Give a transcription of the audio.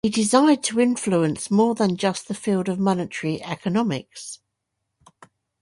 He desired to influence more than just the field of monetary economics.